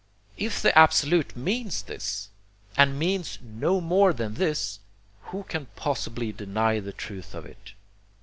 If the Absolute means this, and means no more than this, who can possibly deny the truth of it?